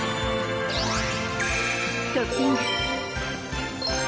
トッピング！